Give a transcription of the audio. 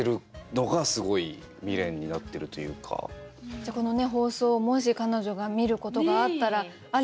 じゃあこの放送をもし彼女が見ることがあったら「あれ！？」